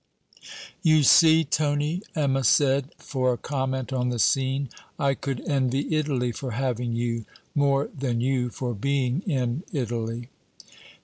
'You see, Tony,' Emma said, for a comment on the scene, 'I could envy Italy for having you, more than you for being in Italy.'